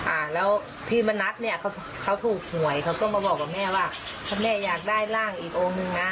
อ่าแล้วพี่มณัฐเนี่ยเขาเขาถูกหวยเขาก็มาบอกกับแม่ว่าถ้าแม่อยากได้ร่างอีกองค์นึงนะ